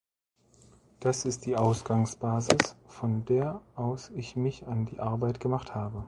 Das ist die Ausgangsbasis, von der aus ich mich an die Arbeit gemacht habe.